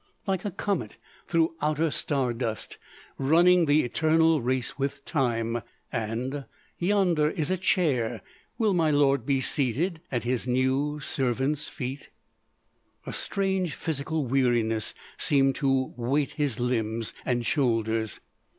—like a comet through outer star dust, running the eternal race with Time.... And—yonder is a chair. Will my lord be seated—at his new servant's feet?" A strange, physical weariness seemed to weight his limbs and shoulders.